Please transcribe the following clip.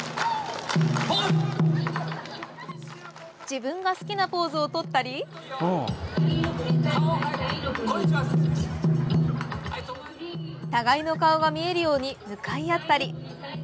自分が好きなポーズをとったり互いの顔が見えるように向かい合ったり。